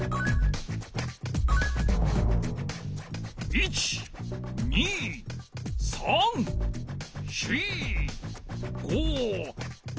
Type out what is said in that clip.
１２３４５６。